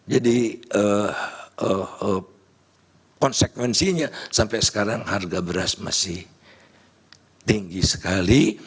jadi konsekuensinya sampai sekarang harga beras masih tinggi